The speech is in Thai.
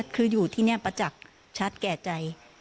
คืออยู่ที่นี่ประจักษ์ชัดแก่ใจ